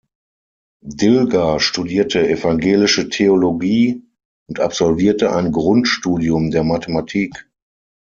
Dilger studierte evangelische Theologie und absolvierte ein Grundstudium der Mathematik.